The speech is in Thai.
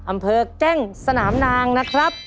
อำเภอแก้งสนามนางนะครับ